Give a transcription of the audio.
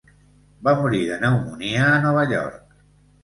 Va morir de pneumònia a Nova York.